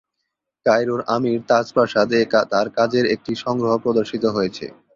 কায়রোর Amir Taj প্রাসাদ এ তার কাজের একটি সংগ্রহ প্রদর্শিত হয়েছে।